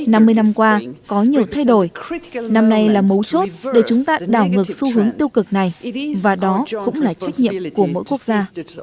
năm mươi năm qua có nhiều thay đổi năm nay là mấu chốt để chúng ta đảo ngược xu hướng tiêu cực này và đó cũng là trách nhiệm của mỗi quốc gia